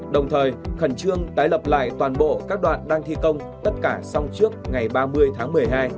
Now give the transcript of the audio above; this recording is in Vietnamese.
đồng thời khẩn trương tái lập lại toàn bộ các đoạn đang thi công tất cả xong trước ngày ba mươi tháng một mươi hai